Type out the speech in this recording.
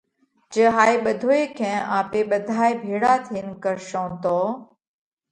جي هائي ٻڌوئي ڪئين آپي ٻڌائي ڀيۯا ٿينَ ڪرشون تو